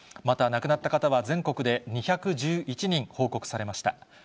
また亡くなった方は全国で２１１人報告されました。